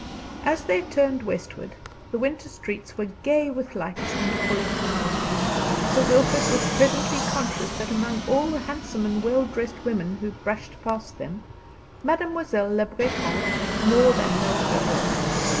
As they turned westward, the winter streets were gay with lights and full of people. Sir Wilfrid was presently conscious that among all the handsome and well dressed women who brushed past them, Mademoiselle Le Breton more than held her own.